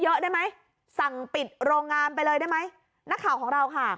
เยอะได้ไหมสั่งปิดโรงงานไปเลยได้ไหมนักข่าวของเราค่ะ